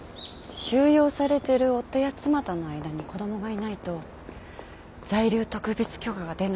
収容されてる夫や妻との間に子供がいないと在留特別許可が出ないって本当ですか？